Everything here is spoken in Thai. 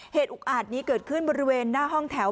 อุกอาจนี้เกิดขึ้นบริเวณหน้าห้องแถว